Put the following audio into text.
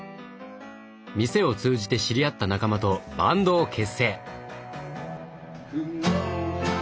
店を通じて知り合った仲間とバンドを結成！